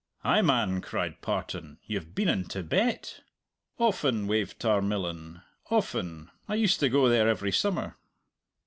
"Ay, man!" cried Partan, "you've been in Tibet?" "Often," waved Tarmillan, "often! I used to go there every summer."